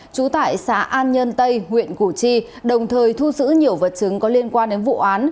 trú tại xã an nhân tây huyện củ chi đồng thời thu giữ nhiều vật chứng có liên quan đến vụ án